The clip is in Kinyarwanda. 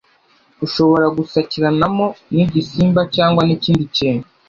ushobora gusakiranamo n’igisimba cyangwa n’ikindi kintu